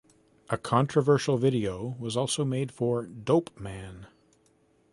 A controversial video was also made for "Dopeman".